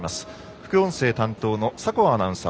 副音声担当の酒匂アナウンサー